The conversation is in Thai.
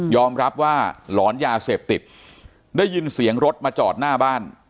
รับว่าหลอนยาเสพติดได้ยินเสียงรถมาจอดหน้าบ้าน